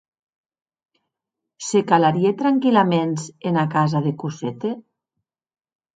Se calarie tranquillaments ena casa de Cosette?